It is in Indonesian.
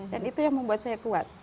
dan itu yang membuat saya kuat